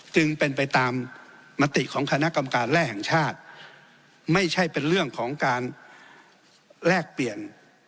จึงเป็นไปตามมติของคณะกรรมการแร่แห่งชาติไม่ใช่เป็นเรื่องของการแลกเปลี่ยน